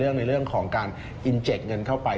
ในเรื่องของการอินเจ็กเงินเข้าไป